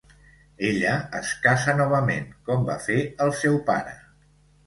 Ella es casa novament, com va fer el seu pare.